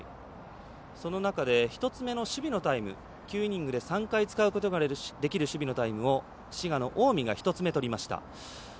その中で、１つ目の守備のタイム、９イニングで３回使うことができる守備のタイムを滋賀、近江が１つ目、とりました。